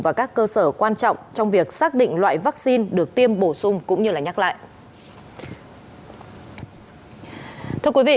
và các cơ sở quan trọng trong việc xác định loại vaccine được tiêm bổ sung cũng như nhắc lại